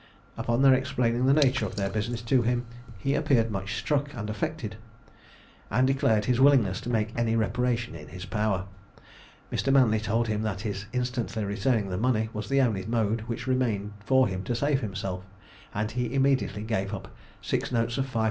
Upon their explaining the nature of their business to him, he appeared much struck and affected, and declared his willingness to make any reparation in his power. Mr. Manly told him that his instantly returning the money was the only mode which remained for him to save himself; and he immediately gave up six notes of 500_l.